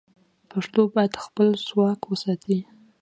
پښتو باید خپل ځواک وساتي.